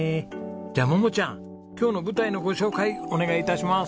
じゃあ桃ちゃん今日の舞台のご紹介お願いいたします。